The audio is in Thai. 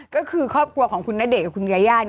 ก็คือครอบครัวของคุณณเดชนกับคุณยาย่า